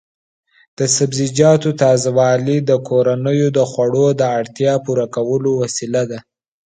د سبزیجاتو تازه والي د کورنیو د خوړو د اړتیا پوره کولو وسیله ده.